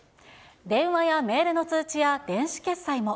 電話やメールの通知や電子決済も。